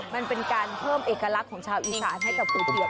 มันเป็นการเพิ่มเอกลักษณ์ของชาวอีสานให้กับครูเจียบ